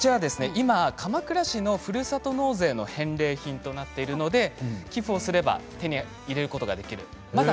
今、鎌倉市のふるさと納税の返礼品となっているので、寄付をすれば手に入れることができます。